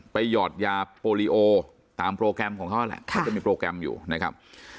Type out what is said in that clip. หยอดยาโปรลิโอตามโปรแกรมของเขาแหละเขาจะมีโปรแกรมอยู่นะครับ